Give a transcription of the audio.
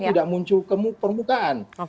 tidak muncul ke permukaan